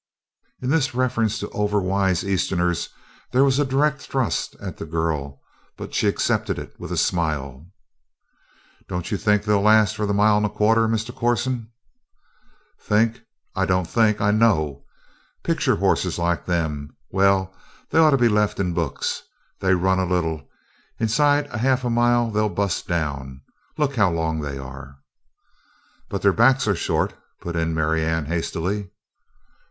In this reference to over wise Easterners there was a direct thrust at the girl, but she accepted it with a smile. "Don't you think they'll last for the mile and a quarter, Mr. Corson?" "Think? I don't think. I know! Picture hosses like them well, they'd ought to be left in books. They run a little. Inside a half mile they bust down. Look how long they are!" "But their backs are short," put in Marianne hastily.